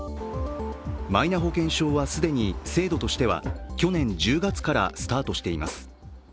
マイナ保険証は既に制度としては去年１０月からスタートしています。